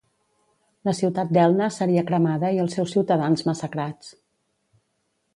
La ciutat d'Elna seria cremada i els seus ciutadans massacrats.